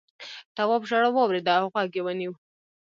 تواب ژړا واورېده او غوږ یې ونيو.